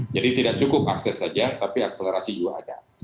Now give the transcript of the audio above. jadi tidak cukup akses saja tapi akselerasi juga ada